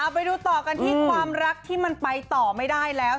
ไปดูต่อกันที่ความรักที่มันไปต่อไม่ได้แล้ว